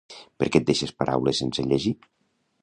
Perquè et deixes paraules sense llegir?